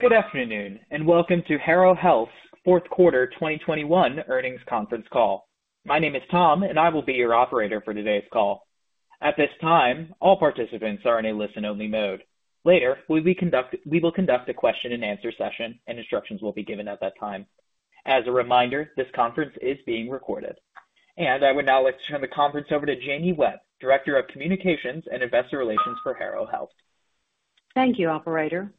Good afternoon, and welcome to Harrow Health's fourth quarter 2021 earnings conference call. My name is Tom and I will be your operator for today's call. At this time, all participants are in a listen-only mode. Later, we will conduct a question and answer session and instructions will be given at that time. As a reminder, this conference is being recorded. I would now like to turn the conference over to Jamie Webb, Director of Communications and Investor Relations for Harrow Health. Thank you, Operator.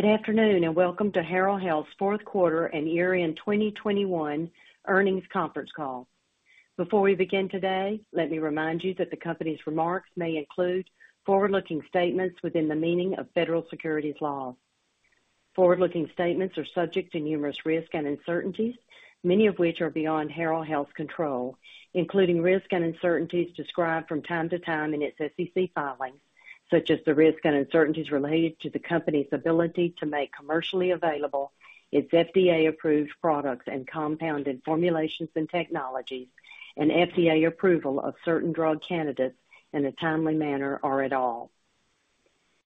Good afternoon, and welcome to Harrow Health's fourth quarter and year-end 2021 earnings conference call. Before we begin today, let me remind you that the company's remarks may include forward-looking statements within the meaning of federal securities laws. Forward-looking statements are subject to numerous risks and uncertainties, many of which are beyond Harrow Health's control, including risks and uncertainties described from time to time in its SEC filings, such as the risks and uncertainties related to the company's ability to make commercially available its FDA-approved products and compounded formulations and technologies and FDA approval of certain drug candidates in a timely manner or at all.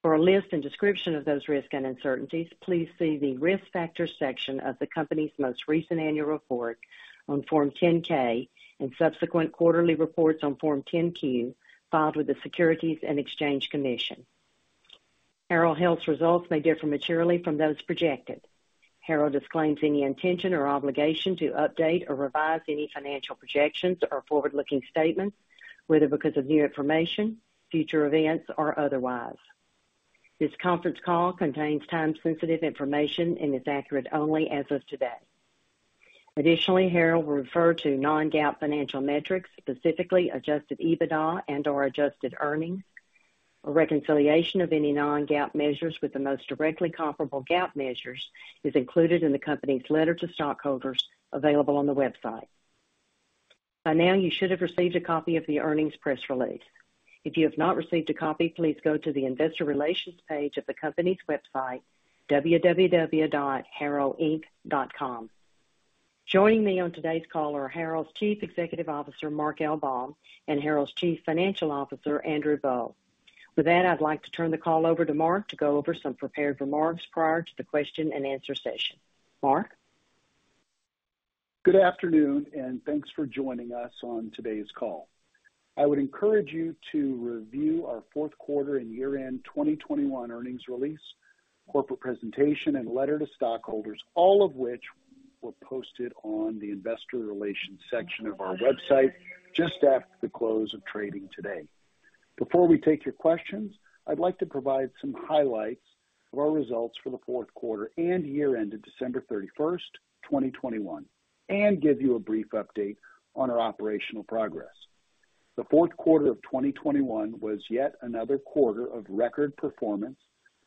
For a list and description of those risks and uncertainties, please see the Risk Factors section of the company's most recent annual report on Form 10-K and subsequent quarterly reports on Form 10-Q filed with the Securities and Exchange Commission. Harrow Health's results may differ materially from those projected. Harrow disclaims any intention or obligation to update or revise any financial projections or forward-looking statements, whether because of new information, future events, or otherwise. This conference call contains time-sensitive information and is accurate only as of today. Additionally, Harrow will refer to non-GAAP financial metrics, specifically adjusted EBITDA and/or adjusted earnings. A reconciliation of any non-GAAP measures with the most directly comparable GAAP measures is included in the company's letter to stockholders available on the website. By now, you should have received a copy of the earnings press release. If you have not received a copy, please go to the investor relations page of the company's website, harrowinc.com. Joining me on today's call are Harrow's Chief Executive Officer, Mark L. Baum, and Harrow's Chief Financial Officer, Andrew Boll. With that, I'd like to turn the call over to Mark to go over some prepared remarks prior to the question and answer session. Mark? Good afternoon, and thanks for joining us on today's call. I would encourage you to review our fourth quarter and year-end 2021 earnings release, corporate presentation, and letter to stockholders, all of which were posted on the investor relations section of our website just after the close of trading today. Before we take your questions, I'd like to provide some highlights of our results for the fourth quarter and year-end of December 31, 2021, and give you a brief update on our operational progress. The fourth quarter of 2021 was yet another quarter of record performance,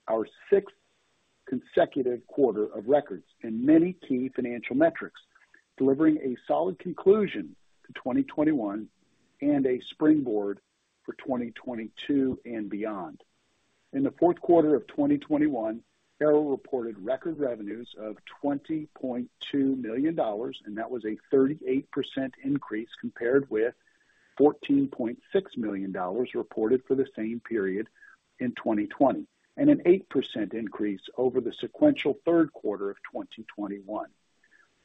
our sixth consecutive quarter of records in many key financial metrics, delivering a solid conclusion to 2021 and a springboard for 2022 and beyond. In the fourth quarter of 2021, Harrow reported record revenues of $20.2 million, and that was a 38% increase compared with $14.6 million reported for the same period in 2020, and an 8% increase over the sequential third quarter of 2021.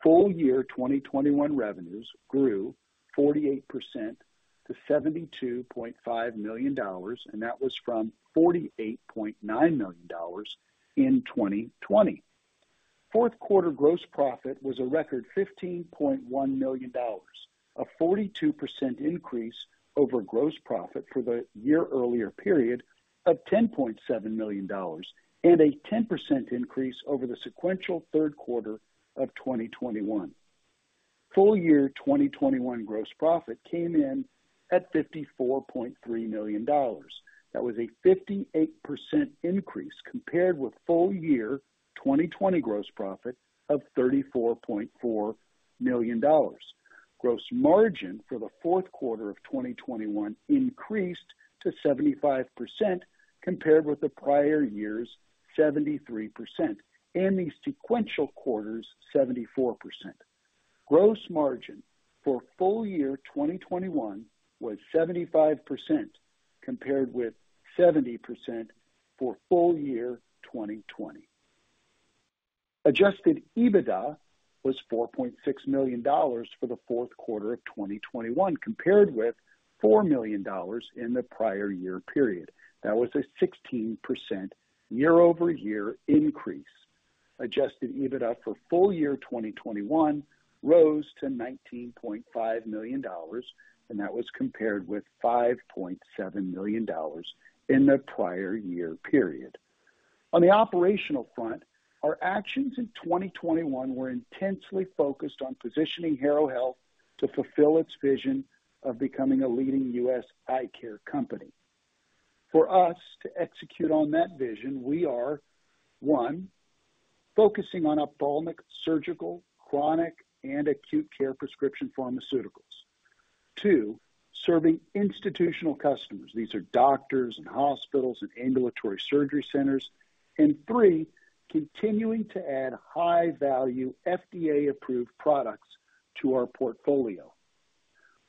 Full year 2021 revenues grew 48% to $72.5 million, and that was from $48.9 million in 2020. Fourth quarter gross profit was a record $15.1 million, a 42% increase over gross profit for the year earlier period of $10.7 million, and a 10% increase over the sequential third quarter of 2021. Full year 2021 gross profit came in at $54.3 million. That was a 58% increase compared with full year 2020 gross profit of $34.4 million. Gross margin for the fourth quarter of 2021 increased to 75% compared with the prior year's 73% and the sequential quarter's 74%. Gross margin for full year 2021 was 75% compared with 70% for full year 2020. Adjusted EBITDA was $4.6 million for the fourth quarter of 2021 compared with $4 million in the prior year period. That was a 16% year-over-year increase. Adjusted EBITDA for full year 2021 rose to $19.5 million, and that was compared with $5.7 million in the prior year period. On the operational front, our actions in 2021 were intensely focused on positioning Harrow Health to fulfill its vision of becoming a leading U.S. eye care company. For us to execute on that vision, we are, one, focusing on ophthalmic, surgical, chronic, and acute care prescription pharmaceuticals. Two, serving institutional customers. These are doctors and hospitals and ambulatory surgery centers. Three, continuing to add high-value FDA-approved products to our portfolio.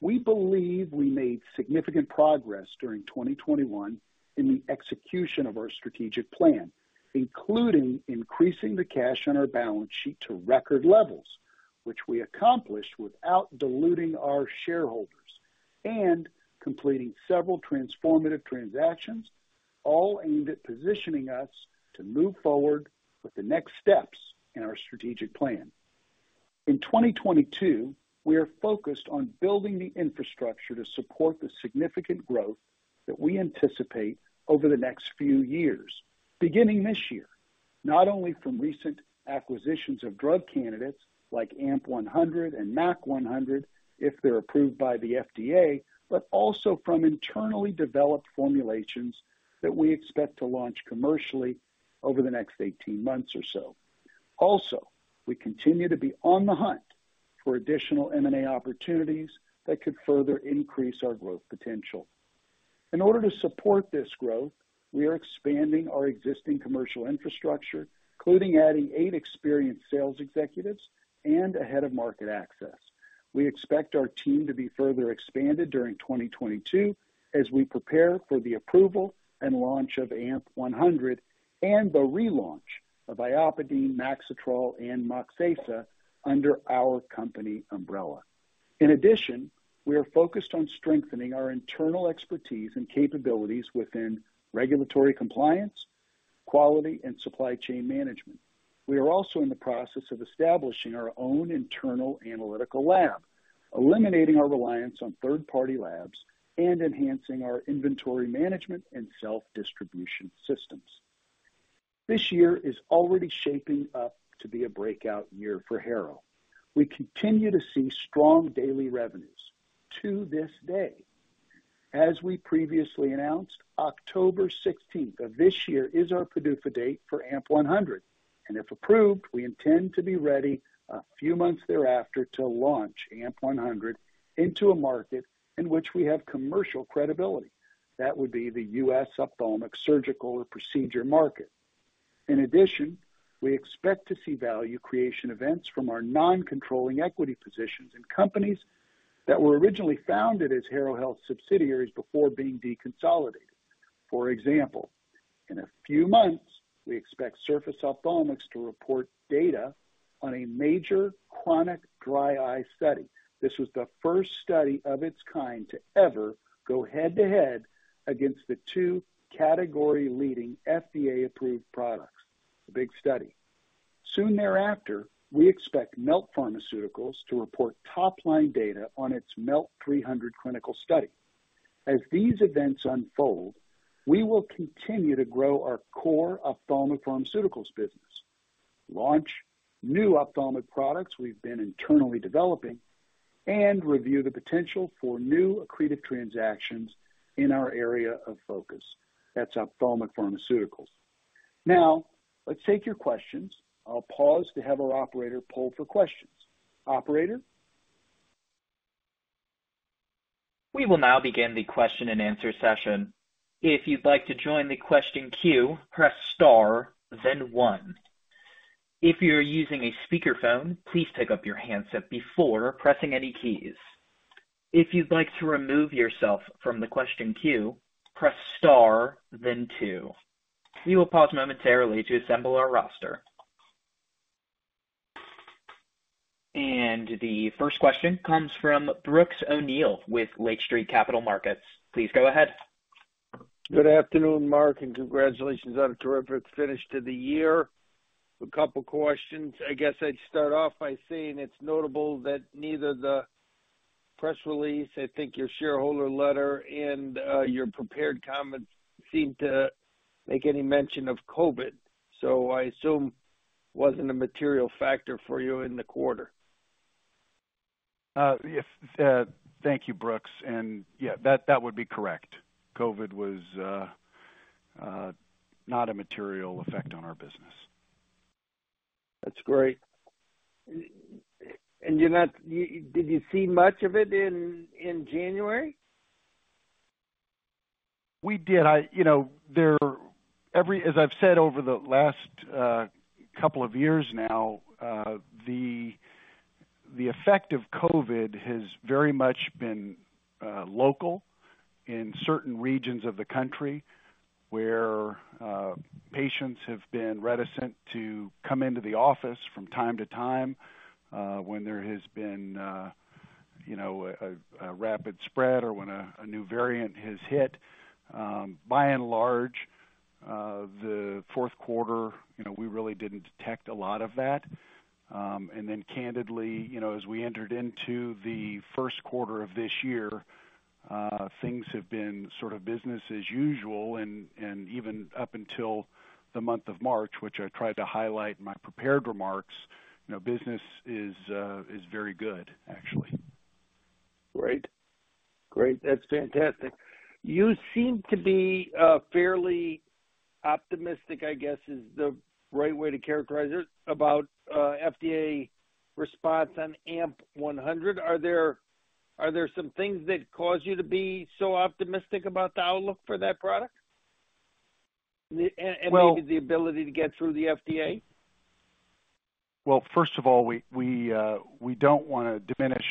We believe we made significant progress during 2021 in the execution of our strategic plan, including increasing the cash on our balance sheet to record levels, which we accomplished without diluting our shareholders and completing several transformative transactions, all aimed at positioning us to move forward with the next steps in our strategic plan. In 2022, we are focused on building the infrastructure to support the significant growth that we anticipate over the next few years, beginning this year, not only from recent acquisitions of drug candidates like AMP-100 and MAQ-100, if they're approved by the FDA, but also from internally developed formulations that we expect to launch commercially over the next 18 months or so. Also, we continue to be on the hunt for additional M&A opportunities that could further increase our growth potential. In order to support this growth, we are expanding our existing commercial infrastructure, including adding eight experienced sales executives and a head of market access. We expect our team to be further expanded during 2022 as we prepare for the approval and launch of AMP-100 and the relaunch of IOPIDINE, MAXITROL, and MOXEZA under our company umbrella. In addition, we are focused on strengthening our internal expertise and capabilities within regulatory compliance, quality, and supply chain management. We are also in the process of establishing our own internal analytical lab, eliminating our reliance on third-party labs, and enhancing our inventory management and self-distribution systems. This year is already shaping up to be a breakout year for Harrow. We continue to see strong daily revenues to this day. As we previously announced, October 16th of this year is our PDUFA date for AMP-100, and if approved, we intend to be ready a few months thereafter to launch AMP-100 into a market in which we have commercial credibility. That would be the U.S. ophthalmic surgical or procedure market. In addition, we expect to see value creation events from our non-controlling equity positions in companies that were originally founded as Harrow Health subsidiaries before being deconsolidated. For example, in a few months, we expect Surface Ophthalmics to report data on a major chronic dry eye study. This was the first study of its kind to ever go head-to-head against the two category-leading FDA-approved products. A big study. Soon thereafter, we expect Melt Pharmaceuticals to report top-line data on its MELT-300 clinical study. As these events unfold, we will continue to grow our core ophthalmic pharmaceuticals business, launch new ophthalmic products we've been internally developing, and review the potential for new accretive transactions in our area of focus. That's ophthalmic pharmaceuticals. Now, let's take your questions. I'll pause to have our operator poll for questions. Operator? We will now begin the question-and-answer session. If you'd like to join the question queue, press star then one. If you're using a speakerphone, please pick up your handset before pressing any keys. If you'd like to remove yourself from the question queue, press star then two. We will pause momentarily to assemble our roster. The first question comes from Brooks O'Neil with Lake Street Capital Markets. Please go ahead. Good afternoon, Mark, and congratulations on a terrific finish to the year. A couple questions. I guess I'd start off by saying it's notable that neither the press release, I think your shareholder letter and, your prepared comments seem to make any mention of COVID. I assume it wasn't a material factor for you in the quarter. Yes. Thank you, Brooks. Yeah, that would be correct. COVID was not a material effect on our business. That's great. Did you see much of it in January? We did. You know, as I've said over the last couple of years now, the effect of COVID has very much been local in certain regions of the country where patients have been reticent to come into the office from time to time, when there has been, you know, a rapid spread or when a new variant has hit. By and large, the fourth quarter, you know, we really didn't detect a lot of that. Candidly, you know, as we entered into the first quarter of this year, things have been sort of business as usual and even up until the month of March, which I tried to highlight in my prepared remarks. You know, business is very good, actually. Great. That's fantastic. You seem to be fairly optimistic, I guess, is the right way to characterize it, about FDA response on AMP-100. Are there some things that cause you to be so optimistic about the outlook for that product? Well- Maybe the ability to get through the FDA? Well, first of all, we don't wanna diminish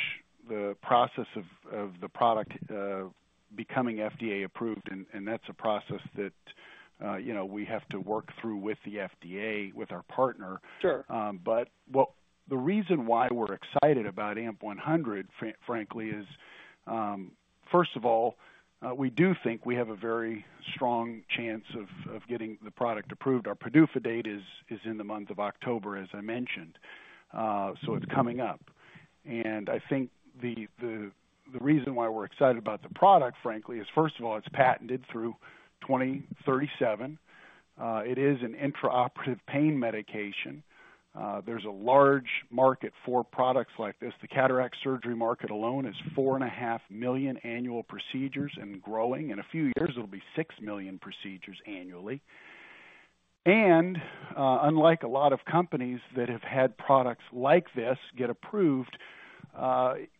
the process of the product becoming FDA approved. That's a process that you know we have to work through with the FDA with our partner. Sure. The reason why we're excited about AMP-100 frankly is first of all we do think we have a very strong chance of getting the product approved. Our PDUFA date is in the month of October as I mentioned. It's coming up. I think the reason why we're excited about the product frankly is first of all it's patented through 2037. It is an intraoperative pain medication. There's a large market for products like this. The cataract surgery market alone is 4.5 million annual procedures and growing. In a few years it'll be 6 million procedures annually. Unlike a lot of companies that have had products like this get approved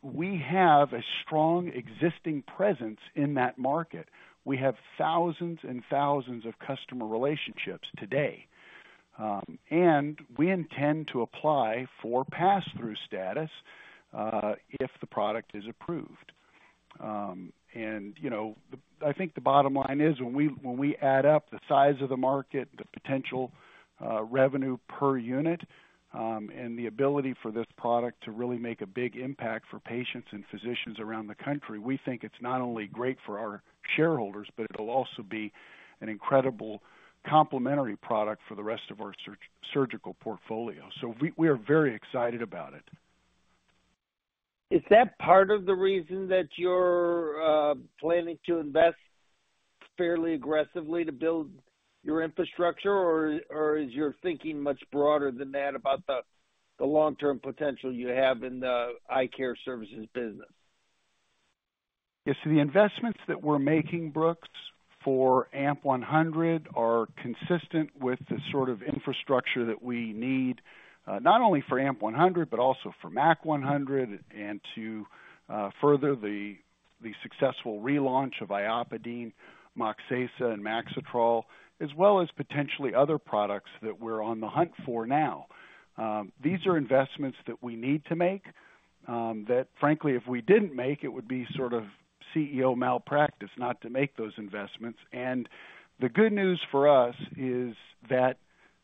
we have a strong existing presence in that market. We have thousands and thousands of customer relationships today. We intend to apply for pass-through status if the product is approved. You know, I think the bottom line is when we add up the size of the market, the potential, revenue per unit, and the ability for this product to really make a big impact for patients and physicians around the country, we think it's not only great for our shareholders, but it'll also be an incredible complementary product for the rest of our surgical portfolio. We are very excited about it. Is that part of the reason that you're planning to invest fairly aggressively to build your infrastructure? Or is your thinking much broader than that about the long-term potential you have in the eye care services business? Yes. The investments that we're making, Brooks, for AMP-100 are consistent with the sort of infrastructure that we need, not only for AMP-100 but also for MAQ-100 and to further the successful relaunch of IOPIDINE, MOXEZA, and MAXITROL, as well as potentially other products that we're on the hunt for now. These are investments that we need to make, that frankly, if we didn't make, it would be sort of CEO malpractice not to make those investments. The good news for us is that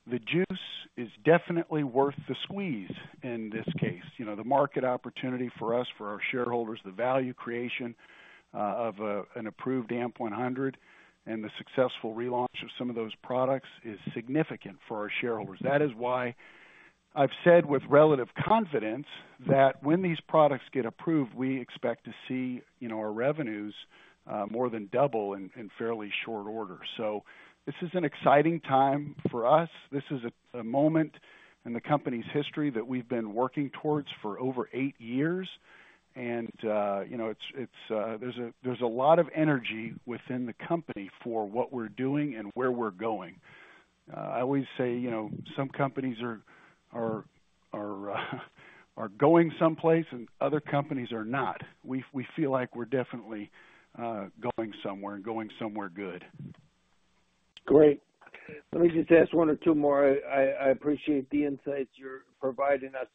the juice is definitely worth the squeeze in this case. You know, the market opportunity for us, for our shareholders, the value creation, of an approved AMP-100 and the successful relaunch of some of those products is significant for our shareholders. That is why I've said with relative confidence that when these products get approved, we expect to see, you know, our revenues more than double in fairly short order. This is an exciting time for us. This is a moment in the company's history that we've been working towards for over eight years. You know, it's, there's a lot of energy within the company for what we're doing and where we're going. I always say, you know, some companies are going someplace and other companies are not. We feel like we're definitely going somewhere and going somewhere good. Great. Let me just ask one or two more. I appreciate the insights you're providing us.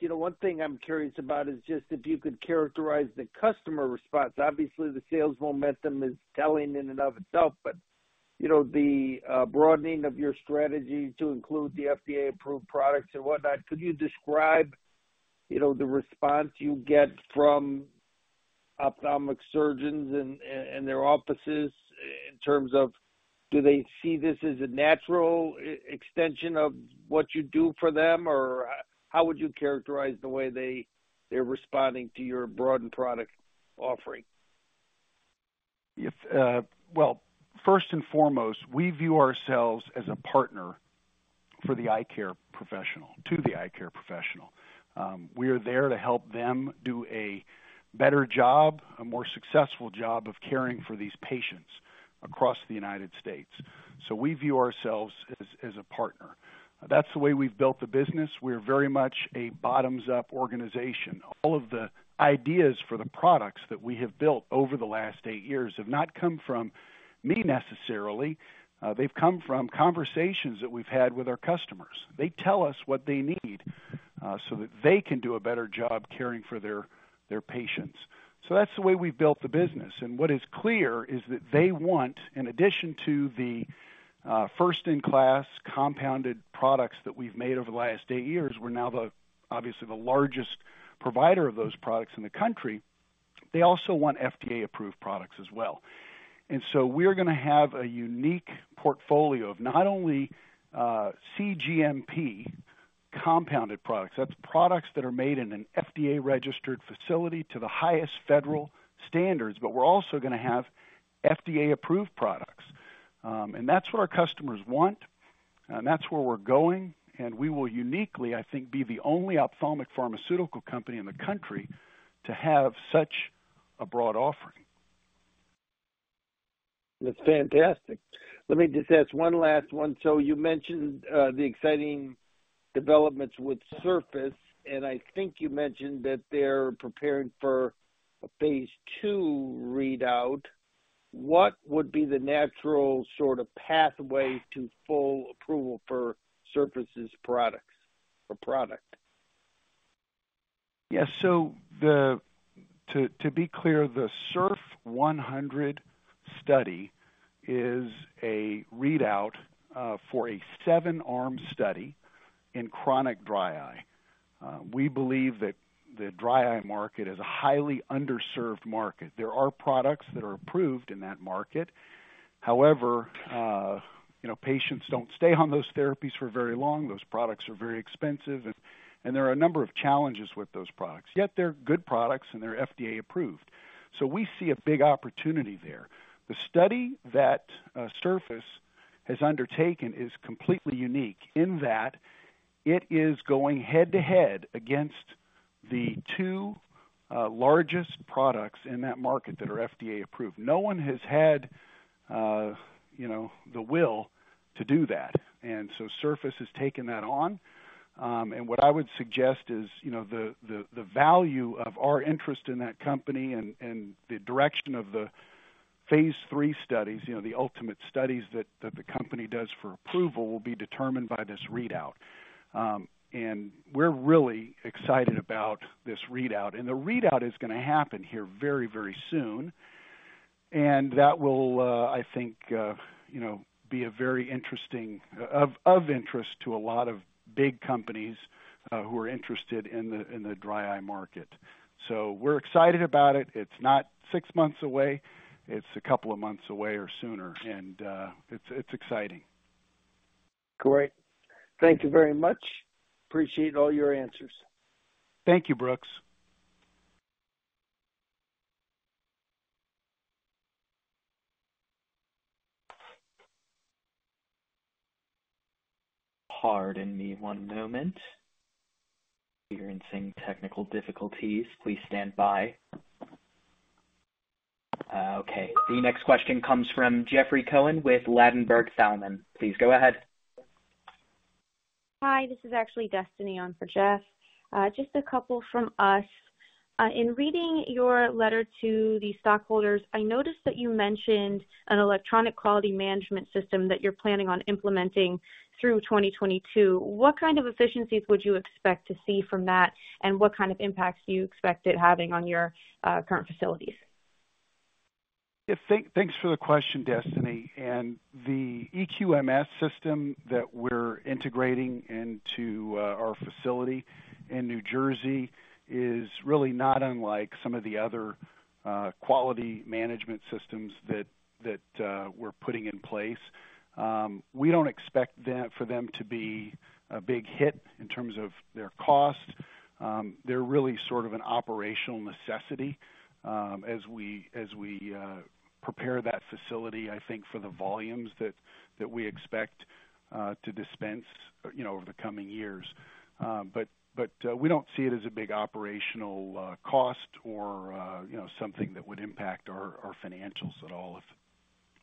You know, one thing I'm curious about is just if you could characterize the customer response. Obviously, the sales momentum is telling in and of itself, but you know, the broadening of your strategy to include the FDA-approved products and whatnot. Could you describe you know, the response you get from ophthalmic surgeons and their offices in terms of do they see this as a natural extension of what you do for them, or how would you characterize the way they're responding to your broadened product offering? Well, first and foremost, we view ourselves as a partner for the eye care professional, to the eye care professional. We are there to help them do a better job, a more successful job of caring for these patients across the United States. We view ourselves as a partner. That's the way we've built the business. We're very much a bottoms-up organization. All of the ideas for the products that we have built over the last eight years have not come from me necessarily. They've come from conversations that we've had with our customers. They tell us what they need, so that they can do a better job caring for their patients. That's the way we've built the business. What is clear is that they want, in addition to the first-in-class compounded products that we've made over the last eight years, we're now the, obviously the largest provider of those products in the country. They also want FDA-approved products as well. We're gonna have a unique portfolio of not only cGMP compounded products. That's products that are made in an FDA-registered facility to the highest federal standards. We're also gonna have FDA-approved products. And that's what our customers want, and that's where we're going, and we will uniquely, I think, be the only ophthalmic pharmaceutical company in the country to have such a broad offering. That's fantastic. Let me just ask one last one. You mentioned the exciting developments with Surface, and I think you mentioned that they're preparing for a phase II readout. What would be the natural sort of pathway to full approval for Surface's products or product? Yes. To be clear, the SURF-100 study is a readout for a seven-arm study in chronic dry eye. We believe that the dry eye market is a highly underserved market. There are products that are approved in that market. However, patients don't stay on those therapies for very long. Those products are very expensive and there are a number of challenges with those products. Yet they're good products and they're FDA approved. We see a big opportunity there. The study that Surface has undertaken is completely unique in that it is going head-to-head against the two largest products in that market that are FDA approved. No one has had the will to do that. Surface has taken that on. What I would suggest is, you know, the value of our interest in that company and the direction of the phase III studies, you know, the ultimate studies that the company does for approval, will be determined by this readout. We're really excited about this readout. The readout is gonna happen here very soon. That will, I think, you know, be of interest to a lot of big companies who are interested in the dry eye market. We're excited about it. It's not six months away, it's a couple of months away or sooner, and it's exciting. Great. Thank you very much. Appreciate all your answers. Thank you, Brooks. Pardon me one moment. Experiencing technical difficulties. Please stand by. Okay. The next question comes from Jeffrey Cohen with Ladenburg Thalmann. Please go ahead. Hi, this is actually Destiny on for Jeff. Just a couple from us. In reading your letter to the stockholders, I noticed that you mentioned an electronic quality management system that you're planning on implementing through 2022. What kind of efficiencies would you expect to see from that, and what kind of impacts do you expect it having on your current facilities? Yeah. Thanks for the question, Destiny. The eQMS system that we're integrating into our facility in New Jersey is really not unlike some of the other quality management systems that we're putting in place. We don't expect them to be a big hit in terms of their cost. They're really sort of an operational necessity as we prepare that facility, I think, for the volumes that we expect to dispense, you know, over the coming years. We don't see it as a big operational cost or you know, something that would impact our financials at all,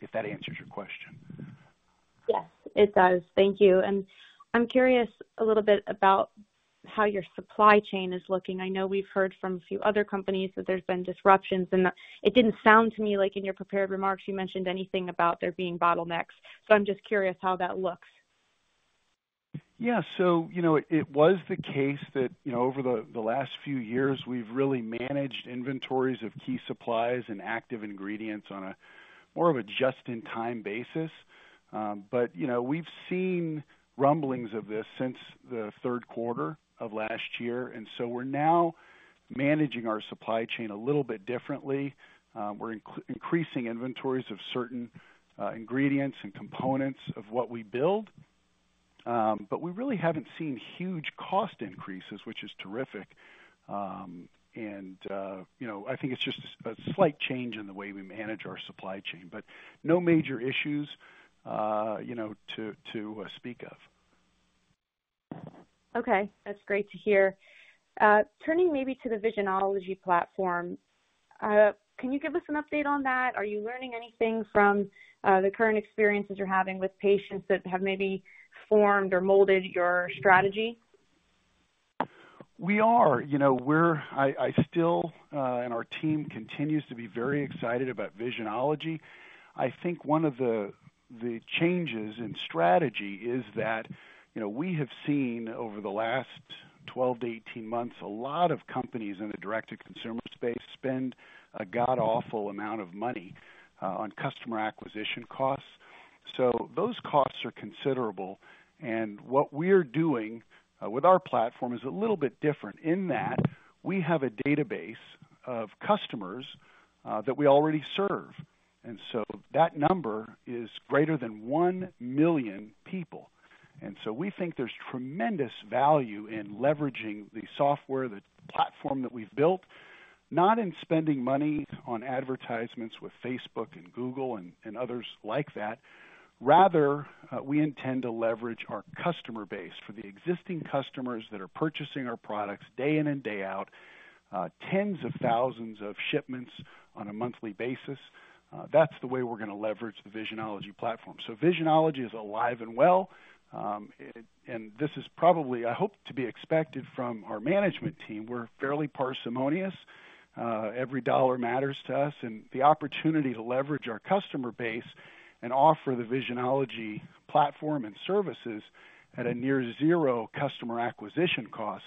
if that answers your question. Yes, it does. Thank you. I'm curious a little bit about how your supply chain is looking. I know we've heard from a few other companies that there's been disruptions, and it didn't sound to me like in your prepared remarks you mentioned anything about there being bottlenecks. I'm just curious how that looks. You know, it was the case that, you know, over the last few years, we've really managed inventories of key supplies and active ingredients on a more of a just-in-time basis. You know, we've seen rumblings of this since the third quarter of last year, and so we're now managing our supply chain a little bit differently. We're increasing inventories of certain ingredients and components of what we build. We really haven't seen huge cost increases, which is terrific. You know, I think it's just a slight change in the way we manage our supply chain, but no major issues, you know, to speak of. Okay. That's great to hear. Turning maybe to the Visionology platform, can you give us an update on that? Are you learning anything from the current experiences you're having with patients that have maybe formed or molded your strategy? We are. You know, I still, and our team continues to be very excited about Visionology. I think one of the changes in strategy is that, you know, we have seen over the last 12-18 months, a lot of companies in the direct-to-consumer space spend a God-awful amount of money on customer acquisition costs. Those costs are considerable. What we're doing with our platform is a little bit different in that we have a database of customers that we already serve. That number is greater than 1 million people. We think there's tremendous value in leveraging the software, the platform that we've built, not in spending money on advertisements with Facebook and Google and others like that. Rather, we intend to leverage our customer base for the existing customers that are purchasing our products day in and day out, tens of thousands of shipments on a monthly basis. That's the way we're gonna leverage the Visionology platform. Visionology is alive and well. This is probably, I hope, to be expected from our management team. We're fairly parsimonious. Every dollar matters to us and the opportunity to leverage our customer base and offer the Visionology platform and services at a near zero customer acquisition cost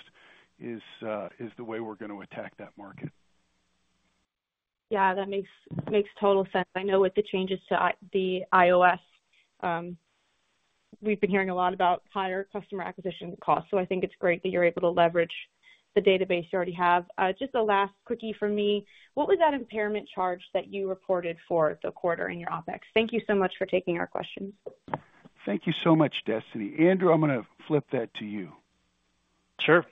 is the way we're gonna attack that market. Yeah, that makes total sense. I know with the changes to the DQSA, we've been hearing a lot about higher customer acquisition costs, so I think it's great that you're able to leverage the database you already have. Just a last quickie for me. What was that impairment charge that you reported for the quarter in your OpEx? Thank you so much for taking our questions. Thank you so much, Destiny. Andrew, I'm gonna flip that to you. Sure.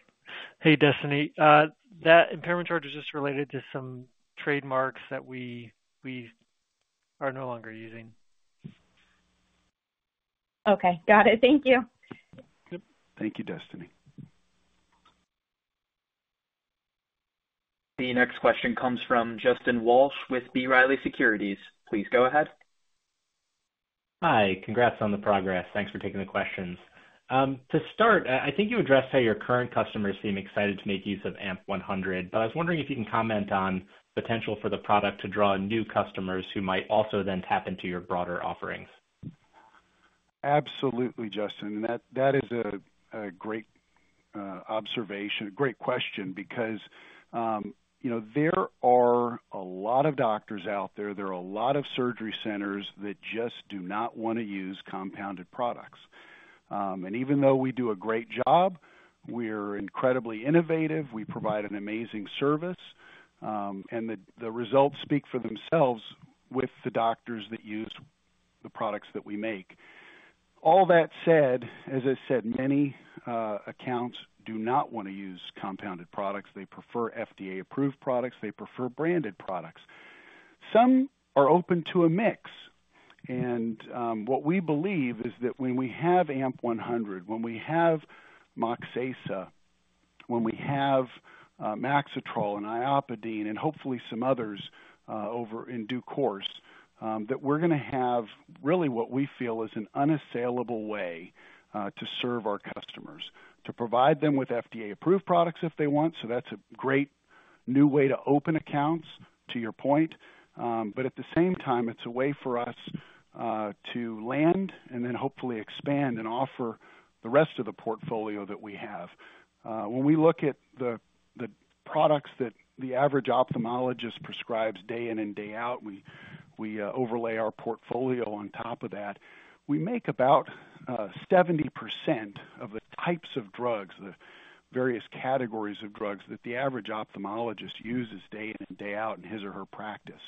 Hey, Destiny. That impairment charge is just related to some trademarks that we are no longer using. Okay. Got it. Thank you. Yep. Thank you, Destiny. The next question comes from Justin Walsh with B. Riley Securities. Please go ahead. Hi. Congrats on the progress. Thanks for taking the questions. To start, I think you addressed how your current customers seem excited to make use of AMP-100, but I was wondering if you can comment on potential for the product to draw new customers who might also then tap into your broader offerings. Absolutely, Justin. That is a great observation, a great question because, you know, there are a lot of doctors out there are a lot of surgery centers that just do not wanna use compounded products. Even though we do a great job, we're incredibly innovative, we provide an amazing service, and the results speak for themselves with the doctors that use the products that we make. All that said, as I said, many accounts do not wanna use compounded products. They prefer FDA-approved products. They prefer branded products. Some are open to a mix. What we believe is that when we have AMP-100, when we have MOXEZA, when we have MAXITROL and IOPIDINE, and hopefully some others over in due course, that we're gonna have really what we feel is an unassailable way to serve our customers, to provide them with FDA-approved products if they want. That's a great new way to open accounts, to your point. At the same time, it's a way for us to land and then hopefully expand and offer the rest of the portfolio that we have. When we look at the products that the average ophthalmologist prescribes day in and day out, we overlay our portfolio on top of that. We make about 70% of the types of drugs, the various categories of drugs that the average ophthalmologist uses day in and day out in his or her practice.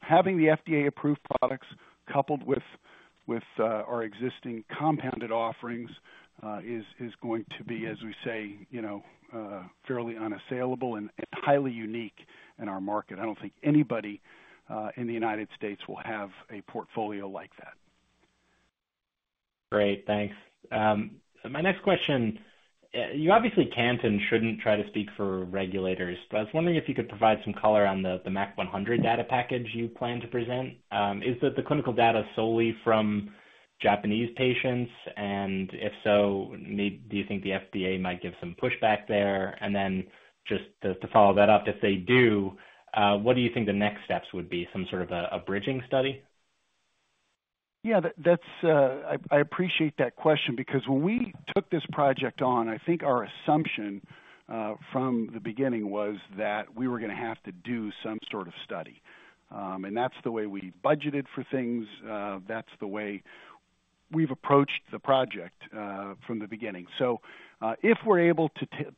Having the FDA-approved products coupled with our existing compounded offerings is going to be, as we say, you know, fairly unassailable and highly unique in our market. I don't think anybody in the United States will have a portfolio like that. Great. Thanks. My next question. You obviously can't and shouldn't try to speak for regulators, but I was wondering if you could provide some color on the MAQ-100 data package you plan to present. Is the clinical data solely from Japanese patients? And if so, do you think the FDA might give some pushback there? And then just to follow that up, if they do, what do you think the next steps would be? Some sort of a bridging study? I appreciate that question because when we took this project on, I think our assumption from the beginning was that we were gonna have to do some sort of study. That's the way we budgeted for things. That's the way we've approached the project from the beginning. If we're able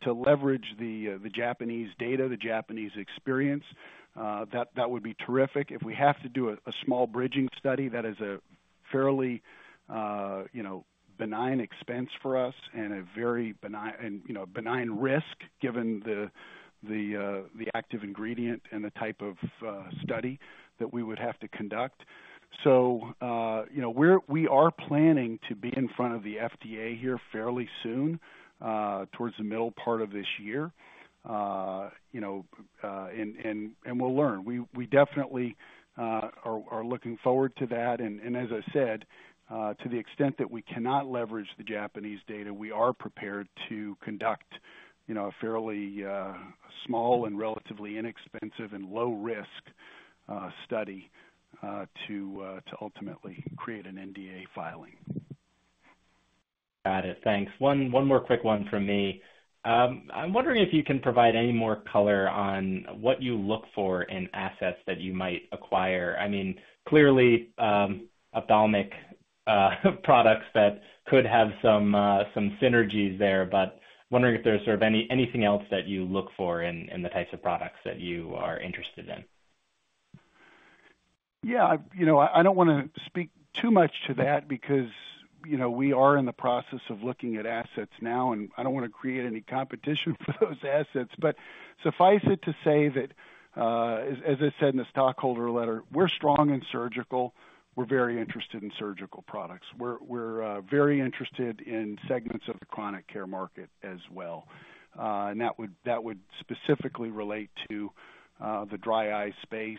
to leverage the Japanese data, the Japanese experience, that would be terrific. If we have to do a small bridging study, that is a fairly, you know, benign expense for us and a very benign risk given the active ingredient and the type of study that we would have to conduct. You know, we are planning to be in front of the FDA here fairly soon, towards the middle part of this year, you know, and we'll learn. We definitely are looking forward to that. As I said, to the extent that we cannot leverage the Japanese data, we are prepared to conduct, you know, a fairly small and relatively inexpensive and low-risk study to ultimately create an NDA filing. Got it. Thanks. One more quick one from me. I'm wondering if you can provide any more color on what you look for in assets that you might acquire. I mean, clearly, ophthalmic products that could have some synergies there. Wondering if there's sort of anything else that you look for in the types of products that you are interested in. Yeah. You know, I don't wanna speak too much to that because, you know, we are in the process of looking at assets now, and I don't wanna create any competition for those assets. Suffice it to say that, as I said in the stockholder letter, we're strong in surgical. We're very interested in surgical products. We're very interested in segments of the chronic care market as well. That would specifically relate to the dry eye space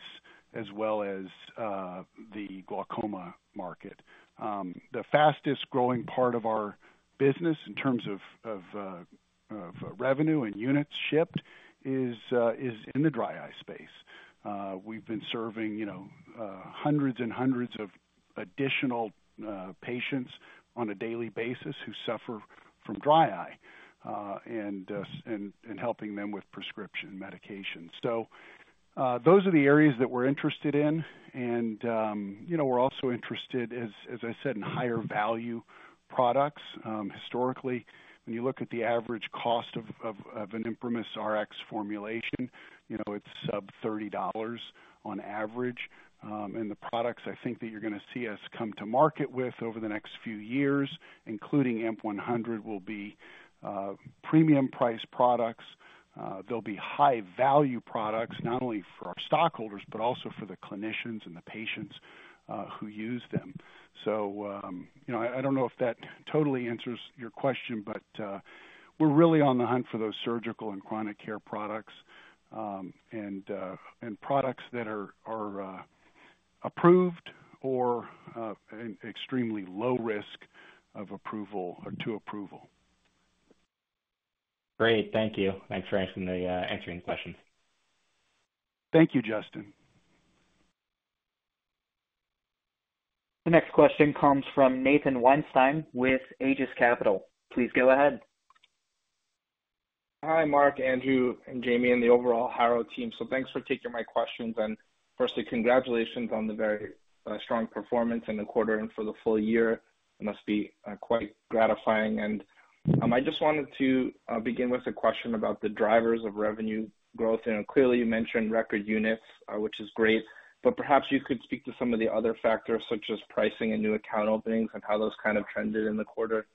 as well as the glaucoma market. The fastest-growing part of our business in terms of revenue and units shipped is in the dry eye space. We've been serving, you know, hundreds and hundreds of additional patients on a daily basis who suffer from dry eye and helping them with prescription medication. Those are the areas that we're interested in. You know, we're also interested, as I said, in higher value products. Historically, when you look at the average cost of an ImprimisRx formulation, you know, it's sub-$30 on average. The products I think that you're gonna see us come to market with over the next few years, including AMP-100, will be premium price products. They'll be high value products not only for our stockholders, but also for the clinicians and the patients who use them. You know, I don't know if that totally answers your question, but we're really on the hunt for those surgical and chronic care products, and products that are approved or extremely low risk of approval or to approval. Great. Thank you. Thanks for answering the question. Thank you, Justin. The next question comes from Nathan Weinstein with Aegis Capital. Please go ahead. Hi, Mark, Andrew and Jamie, and the overall Harrow team. Thanks for taking my questions. Firstly, congratulations on the very strong performance in the quarter and for the full year. It must be quite gratifying. I just wanted to begin with a question about the drivers of revenue growth. You know, clearly you mentioned record units, which is great, but perhaps you could speak to some of the other factors, such as pricing and new account openings and how those kind of trended in the quarter.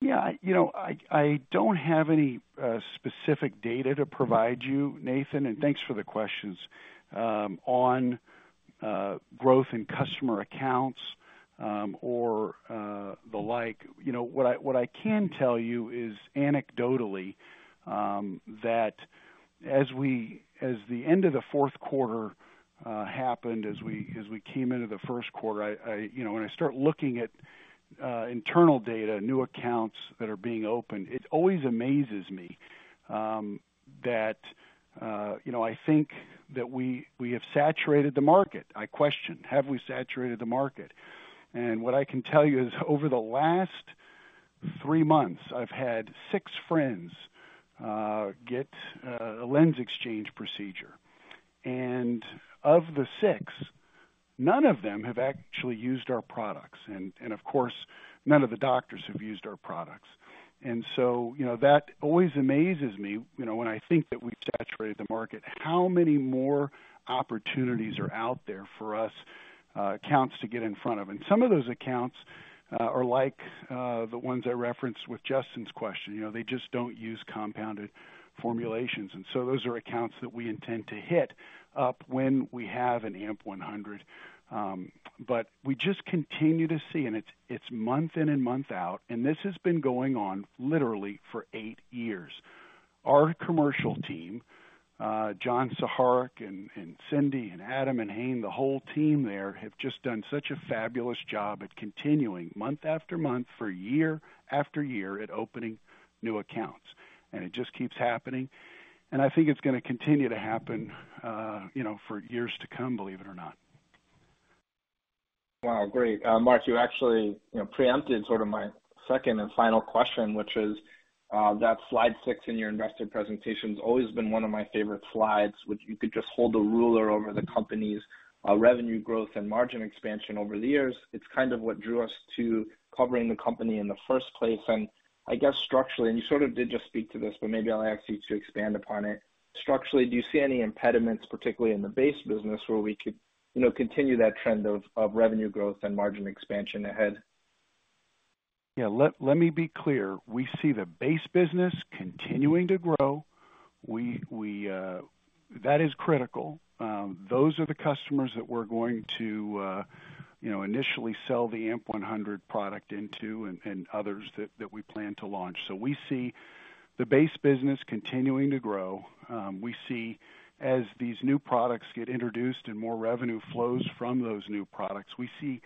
Yeah. You know, I don't have any specific data to provide you, Nathan, and thanks for the questions on growth in customer accounts or the like. You know, what I can tell you is anecdotally that as the end of the fourth quarter happened, as we came into the first quarter, you know, when I start looking at internal data, new accounts that are being opened, it always amazes me that you know I think that we have saturated the market. I question, have we saturated the market? What I can tell you is over the last three months, I've had six friends get a lens exchange procedure. Of the six, none of them have actually used our products. Of course, none of the doctors have used our products. You know, that always amazes me, you know, when I think that we've saturated the market, how many more opportunities are out there for us, accounts to get in front of. Some of those accounts are like the ones I referenced with Justin's question. You know, they just don't use compounded formulations. Those are accounts that we intend to hit up when we have an AMP-100. But we just continue to see and it's month in and month out, and this has been going on literally for eight years. Our commercial team, John Saharek and Cindy and Adam and Haim, the whole team there, have just done such a fabulous job at continuing month after month for year after year at opening new accounts. It just keeps happening, and I think it's gonna continue to happen, you know, for years to come, believe it or not. Wow, great. Mark, you actually, you know, preempted sort of my second and final question, which is that slide 6 in your investor presentation's always been one of my favorite slides, which you could just hold a ruler over the company's revenue growth and margin expansion over the years. It's kind of what drew us to covering the company in the first place. I guess structurally, and you sort of did just speak to this, but maybe I'll ask you to expand upon it. Structurally, do you see any impediments, particularly in the base business, where we could, you know, continue that trend of revenue growth and margin expansion ahead? Yeah, let me be clear. We see the base business continuing to grow. That is critical. Those are the customers that we're going to you know initially sell the AMP-100 product into and others that we plan to launch. We see the base business continuing to grow. We see as these new products get introduced and more revenue flows from those new products, we see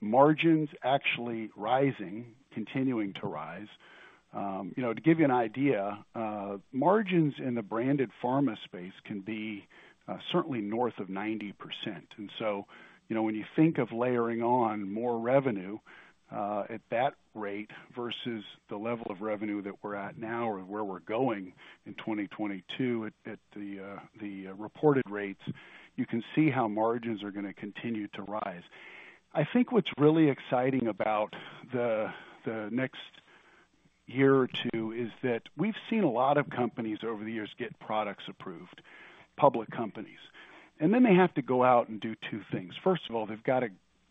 margins actually rising, continuing to rise. You know, to give you an idea, margins in the branded pharma space can be certainly north of 90%. You know, when you think of layering on more revenue at that rate versus the level of revenue that we're at now or where we're going in 2022 at the reported rates, you can see how margins are gonna continue to rise. I think what's really exciting about the next year or two is that we've seen a lot of companies over the years get products approved, public companies, and then they have to go out and do two things. First of all, they've got to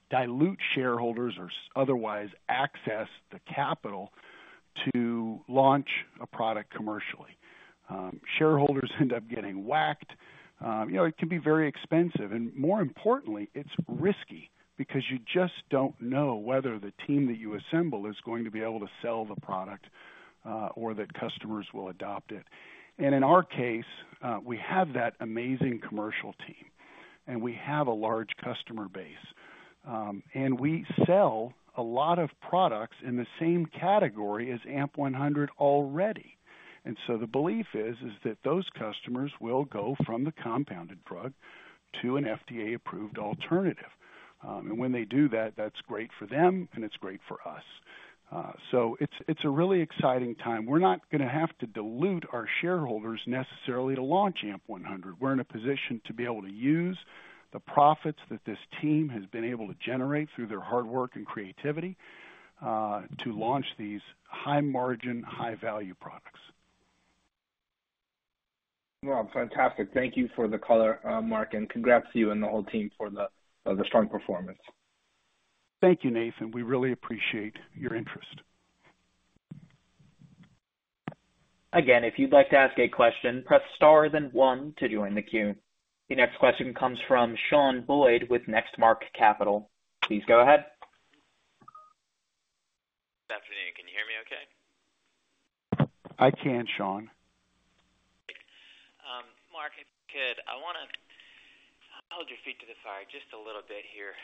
dilute shareholders or otherwise access the capital to launch a product commercially. Shareholders end up getting whacked. You know, it can be very expensive and more importantly, it's risky because you just don't know whether the team that you assemble is going to be able to sell the product, or that customers will adopt it. In our case, we have that amazing commercial team, and we have a large customer base. We sell a lot of products in the same category as AMP-100 already. The belief is that those customers will go from the compounded drug to an FDA-approved alternative. When they do that's great for them and it's great for us. It's a really exciting time. We're not gonna have to dilute our shareholders necessarily to launch AMP-100. We're in a position to be able to use the profits that this team has been able to generate through their hard work and creativity, to launch these high margin, high value products. Well, fantastic. Thank you for the color, Mark, and congrats to you and the whole team for the strong performance. Thank you, Nathan. We really appreciate your interest. Again, if you'd like to ask a question, press star, then one to join the queue. Your next question comes from Shawn Boyd with Next Mark Capital. Please go ahead. Good afternoon. Can you hear me okay? I can, Shawn. Mark, if you could, I wanna hold your feet to the fire just a little bit here.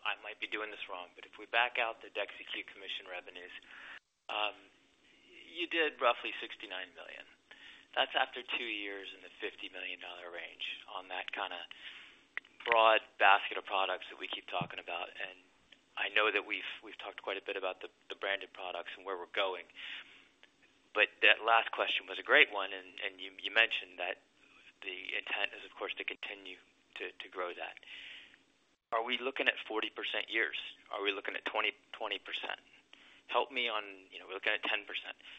I might be doing this wrong, but if we back out the DEXYCU commission revenues, you did roughly $69 million. That's after two years in the $50 million range on that kinda broad basket of products that we keep talking about. I know that we've talked quite a bit about the branded products and where we're going. That last question was a great one, and you mentioned that the intent is, of course, to continue to grow that. Are we looking at 40% years? Are we looking at 20%? Help me. You know, we're looking at 10%.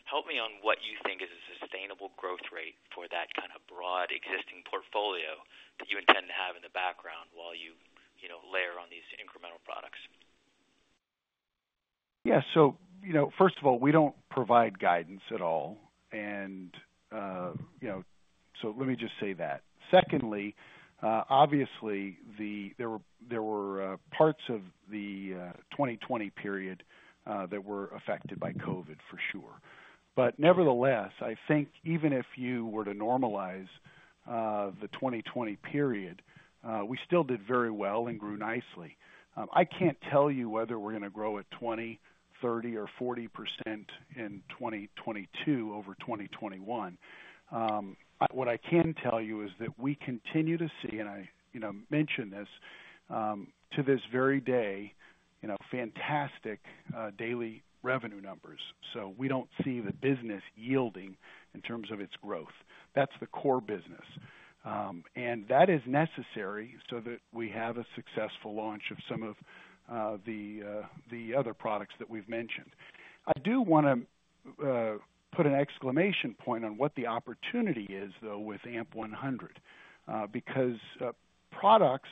Help me on what you think is a sustainable growth rate for that kind of broad existing portfolio that you intend to have in the background while you know, layer on these incremental products. First of all, we don't provide guidance at all. Let me just say that. Secondly, obviously there were parts of the 2020 period that were affected by COVID for sure. Nevertheless, I think even if you were to normalize the 2020 period, we still did very well and grew nicely. I can't tell you whether we're gonna grow at 20%, 30% or 40% in 2022 over 2021. What I can tell you is that we continue to see, and I mention this to this very day, fantastic daily revenue numbers. We don't see the business yielding in terms of its growth. That's the core business. That is necessary so that we have a successful launch of some of the other products that we've mentioned. I do wanna put an exclamation point on what the opportunity is, though, with AMP-100. Because products,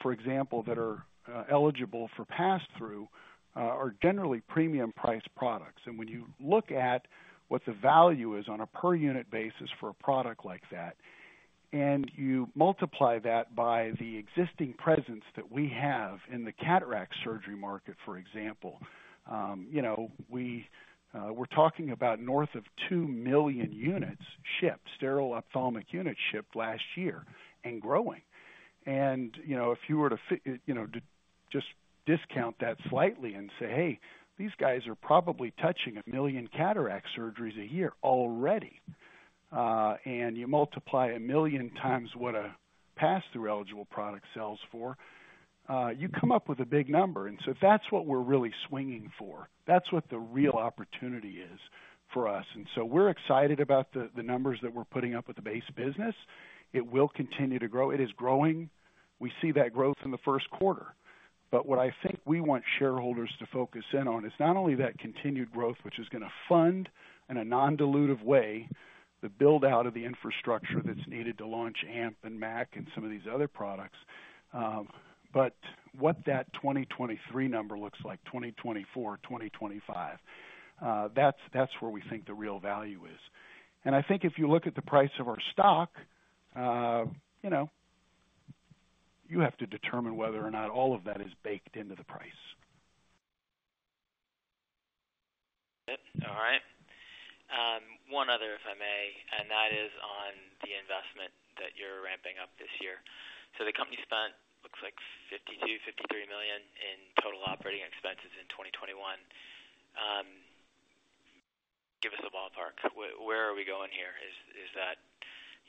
for example, that are eligible for pass-through, are generally premium priced products. When you look at what the value is on a per unit basis for a product like that, and you multiply that by the existing presence that we have in the cataract surgery market, for example, you know, we're talking about north of 2 million units shipped, sterile ophthalmic units shipped last year and growing. You know, if you were to, you know, to just discount that slightly and say, "Hey, these guys are probably touching 1 million cataract surgeries a year already." You multiply 1 million times what a pass-through eligible product sells for, you come up with a big number. That's what we're really swinging for. That's what the real opportunity is for us. We're excited about the numbers that we're putting up with the base business. It will continue to grow. It is growing. We see that growth in the first quarter. What I think we want shareholders to focus in on is not only that continued growth, which is gonna fund in a non-dilutive way, the build-out of the infrastructure that's needed to launch AMP and MAQ and some of these other products, but what that 2023 number looks like, 2024, 2025. That's where we think the real value is. I think if you look at the price of our stock, you know, you have to determine whether or not all of that is baked into the price. All right. One other, if I may, and that is on the investment that you're ramping up this year. The company spent, looks like $52 million-$53 million in total operating expenses in 2021. Give us a ballpark. Where are we going here? Is that,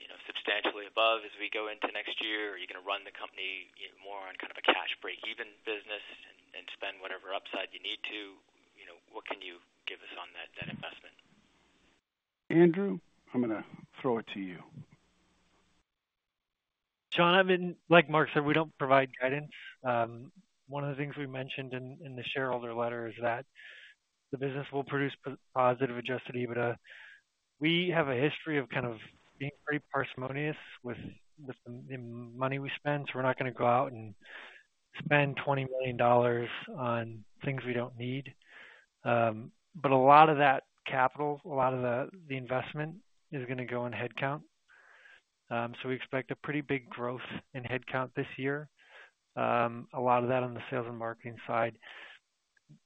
you know, substantially above as we go into next year? Are you gonna run the company more on kind of a cash breakeven business and spend whatever upside you need to? You know, what can you give us on that investment? Andrew, I'm gonna throw it to you. Shawn, I mean, like Mark said, we don't provide guidance. One of the things we mentioned in the shareholder letter is that the business will produce positive adjusted EBITDA. We have a history of kind of being pretty parsimonious with the money we spend, so we're not gonna go out and- Spend $20 million on things we don't need. A lot of that capital, a lot of the investment is gonna go in headcount. We expect a pretty big growth in headcount this year. A lot of that on the sales and marketing side.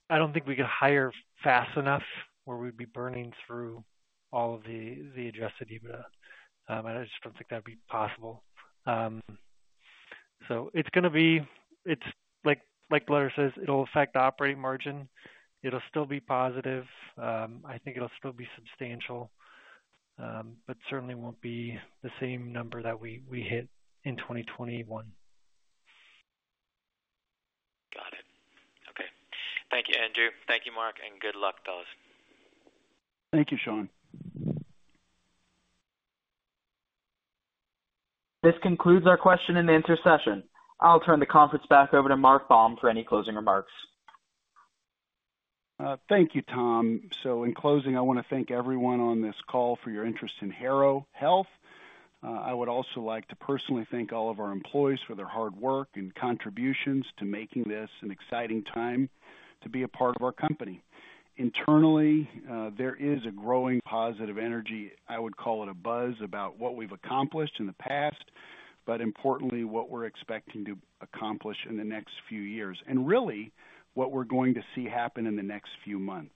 I don't think we could hire fast enough where we'd be burning through all of the adjusted EBITDA. I just don't think that'd be possible. It's gonna be like Blair says, it'll affect operating margin. It'll still be positive. I think it'll still be substantial, but certainly won't be the same number that we hit in 2021. Got it. Okay. Thank you, Andrew. Thank you, Mark. Good luck to us. Thank you, Shawn. This concludes our question and answer session. I'll turn the conference back over to Mark Baum for any closing remarks. Thank you, Tom. In closing, I wanna thank everyone on this call for your interest in Harrow Health. I would also like to personally thank all of our employees for their hard work and contributions to making this an exciting time to be a part of our company. Internally, there is a growing positive energy, I would call it a buzz, about what we've accomplished in the past, but importantly, what we're expecting to accomplish in the next few years. Really what we're going to see happen in the next few months.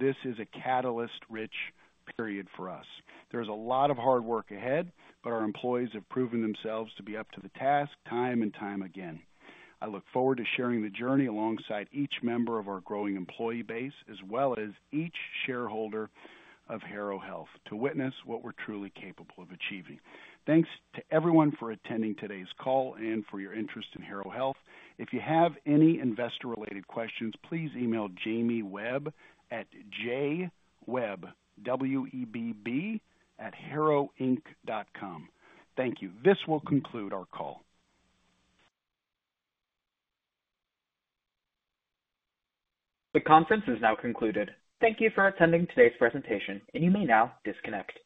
This is a catalyst-rich period for us. There's a lot of hard work ahead, but our employees have proven themselves to be up to the task time and time again. I look forward to sharing the journey alongside each member of our growing employee base, as well as each shareholder of Harrow Health, to witness what we're truly capable of achieving. Thanks to everyone for attending today's call and for your interest in Harrow Health. If you have any investor-related questions, please email Jamie Webb at jwebb, W-E-B-B, @harrowinc.com. Thank you. This will conclude our call. The conference is now concluded. Thank you for attending today's presentation, and you may now disconnect.